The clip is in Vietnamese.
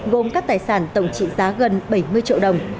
gồm các tài sản tổng trị giá gần bảy mươi triệu đồng